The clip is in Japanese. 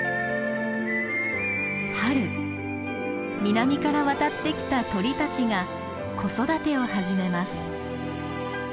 南から渡ってきた鳥たちが子育てを始めます。